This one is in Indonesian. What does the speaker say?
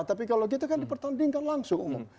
tapi kalau kita kan dipertandingkan langsung umum